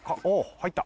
入った！